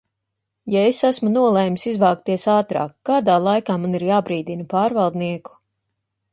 Ja es esmu nolēmis izvākties ātrāk, kādā laikā man ir jābrīdina pārvaldnieku?